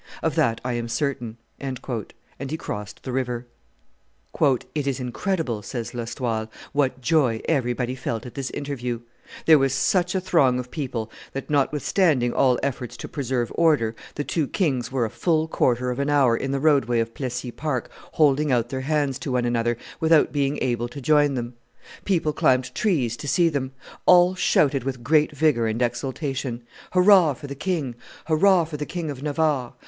Of that I am certain;" and he crossed the river. "It is incredible," says L'Estoile, "what joy everybody felt at this interview; there was such a throng of people that, notwithstanding all efforts to preserve order, the two kings were a full quarter of an hour in the roadway of Plessis park holding out their hands to one another without being able to join them; people climbed trees to see them; all shouted with great vigor and exultation, Hurrah for the king! hurrah for the King of Navarre!